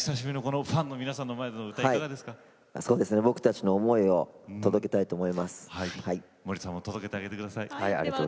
僕たちの思いを届けたいと思います。